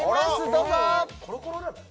どうぞ！